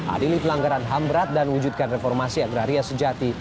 adili pelanggaran hamberat dan wujudkan reformasi agraria sejati